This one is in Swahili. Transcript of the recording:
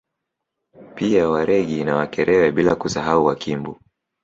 Pia Waregi na Wakerewe bila kusahau Wakimbu